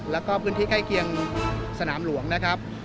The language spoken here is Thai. แล้วก็พื้นที่ใกล้เคียงสนามหลวงนะครับ